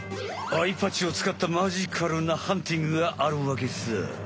アイパッチを使ったマジカルなハンティングがあるわけさ。